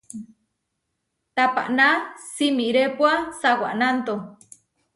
Tapaná simirépua sawanánto?